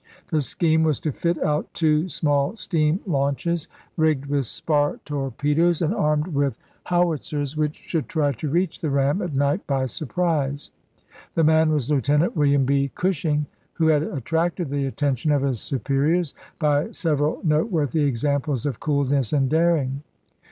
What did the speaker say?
The scheme was to fit out two small steam launches rigged with spar torpedoes, and armed with how THE ALBEMARLE 45 itzers, which should try to reach the ram at night chap. ii. by surprise ; the man was Lieutenant William B. Cushing, who had attracted the attention of his superiors by several noteworthy examples of cool ness and daring.